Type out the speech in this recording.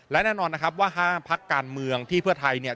และแน่นอนว่า๕พักการเมืองที่เพื่อไทย